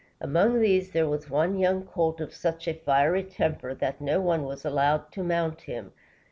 Among these was one young colt of such a fiery temper that no one was allowed to mount him.